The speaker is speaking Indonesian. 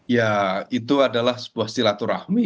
ya itu adalah sebuah silaturahmi